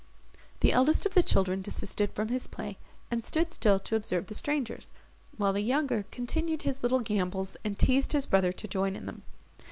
The eldest of the children desisted from his play, and stood still to observe the strangers, while the younger continued his little gambols, and teased his brother to join in them.